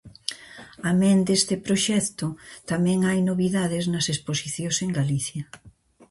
Amén deste proxecto, tamén hai novidades nas exposicións en Galicia.